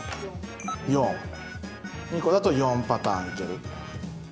４。２個だと４パターンいける。